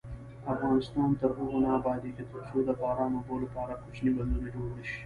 افغانستان تر هغو نه ابادیږي، ترڅو د باران اوبو لپاره کوچني بندونه جوړ نشي.